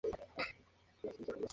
Pasaría ocho semanas en lista.